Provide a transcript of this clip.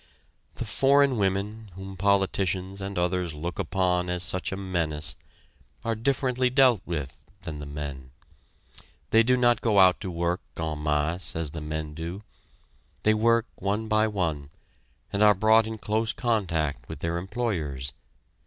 The foreign women, whom politicians and others look upon as such a menace, are differently dealt with than the men. They do not go out to work, en masse, as the men do. They work one by one, and are brought in close contact with their employers.